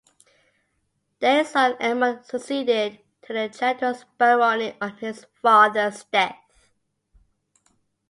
Their son Edmund succeeded to the Chandos barony on his father's death.